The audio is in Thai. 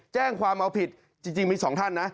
แจ้งความเอาผิดจริงมีสองท่านนะ